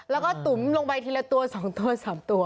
แล้วก็ตุ๋มลงไปทีละตัว๒ตัว๓ตัว